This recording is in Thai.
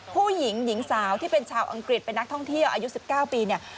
ผู้หญิงหญิงสาวที่เป็นชาวอังกฤษเป็นนักท่องเที่ยวอายุ๑๙ปีเนี่ย